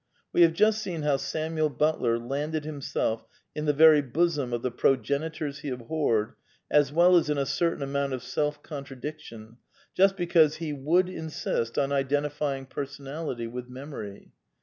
We have just seen how Samuel Butler landed himself in the very bosom of the progenitors he abhorred, as well as in a certain amount of self <;ontradiction, just because he would insist on identifying personality with memory.